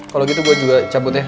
kalau gitu gue juga cabut ya